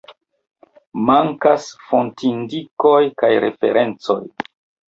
Mankas fontindikoj kaj referencoj.